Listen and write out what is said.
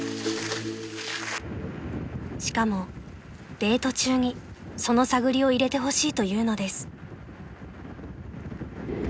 ［しかもデート中にその探りを入れてほしいと言うのです］